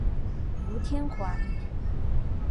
吴天垣。